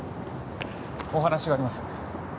お話があります。